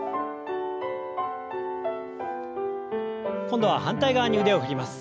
今度は反対側に腕を振ります。